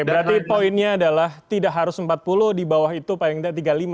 berarti poinnya adalah tidak harus empat puluh di bawah itu paling tidak tiga puluh lima